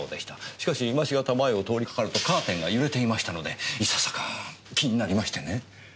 しかし今しがた前を通りかかるとカーテンが揺れていましたのでいささか気になりましてね。